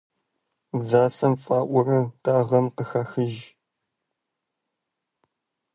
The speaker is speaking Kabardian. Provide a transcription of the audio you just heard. Дзасэм фӀаӀуурэ дагъэм къыхахыж.